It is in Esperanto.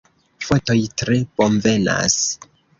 Fotoj tre bonvenas.